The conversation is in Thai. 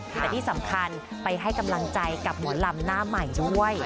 แต่ที่สำคัญไปให้กำลังใจกับหมอลำหน้าใหม่ด้วย